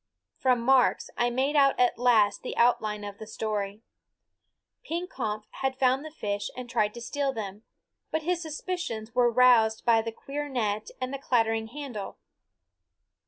From marks I made out at last the outline of the story. Pekompf had found the fish and tried to steal them, but his suspicions were roused by the queer net and the clattering handle.